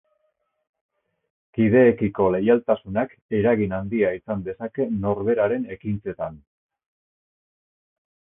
Kideekiko leialtasunak eragin handia izan dezake norberaren ekintzetan.